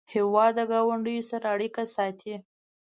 هېواد د ګاونډیو سره اړیکې ساتي.